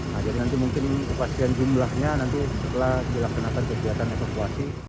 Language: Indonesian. jadi nanti mungkin kekuasian jumlahnya nanti setelah dilaksanakan kegiatan evakuasi